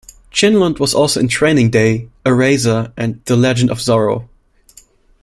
Chinlund was also in "Training Day", "Eraser" and "The Legend of Zorro".